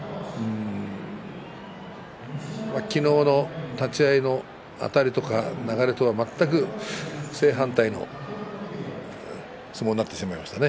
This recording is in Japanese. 昨日の立ち合いのあたりとか流れとは全く正反対の相撲になってしまいましたね。